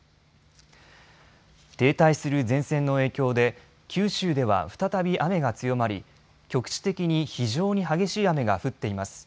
停滞する前線の影響で九州では再び雨が強まり局地的に非常に激しい雨が降っています。